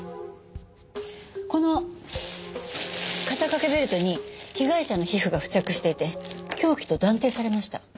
この肩掛けベルトに被害者の皮膚が付着していて凶器と断定されました。